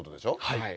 はい。